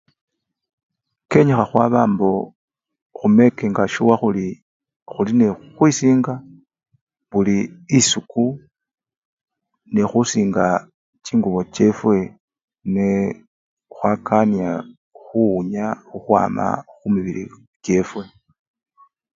Kenyikha khwaba mbo khumekinga shuwa khuli khuli nekhukhwisinga buli isiku nekhusinga chingubo chefwe nekhwakania khuwunya khukhwama khumibili kyefwe.